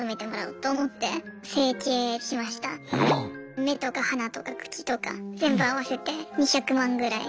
目とか鼻とか口とか全部合わせて２００万ぐらい。